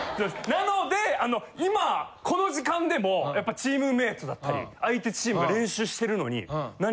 なので今この時間でもやっぱチームメイトだったり相手チームが練習してるのに。